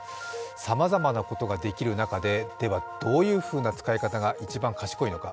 さまざまなことができる中で、では、どういうふうな使い方が一番賢いのか。